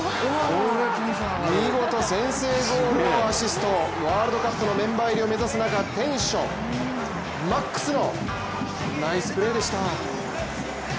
見事、先制ゴールをアシストワールドカップのメンバー入りを目指す中テンションマックスのナイスプレーでした。